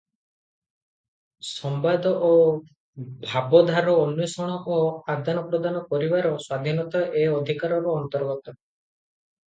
ସମ୍ୱାଦ ଓ ଭାବଧାର ଅନ୍ୱେଷଣ ଓ ଆଦାନ ପ୍ରଦାନ କରିବାର ସ୍ୱାଧୀନତା ଏ ଅଧିକାରର ଅନ୍ତର୍ଗତ ।